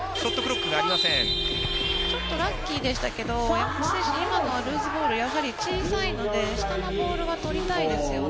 ラッキーでしたけど今のはルーズボール小さいので下のボールは取りたいですね。